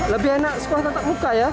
lebih enak sekolah tetap muka ya